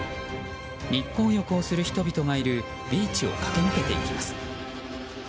日光浴をする人々がいるビーチを駆け抜けていきます。